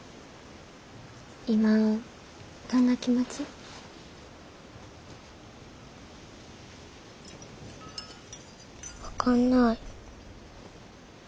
今どんな気持ち？分かんない。